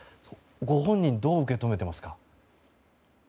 ご本人どう受け止めていますか。